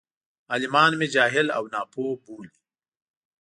عالمان مې جاهل او ناپوه بولي.